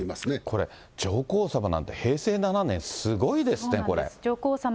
これ、上皇さまなんて平成７年、すごいですね、そうなんです。